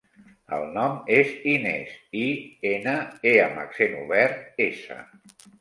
El nom és Inès: i, ena, e amb accent obert, essa.